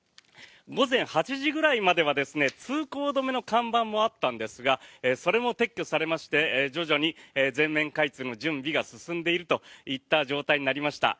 午前８時ぐらいまでは通行止めの看板もあったんですがそれも撤去されまして徐々に全面開通の準備が進んでいるといった状態になりました。